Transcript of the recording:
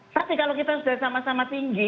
tapi kalau kita sudah sama sama tinggi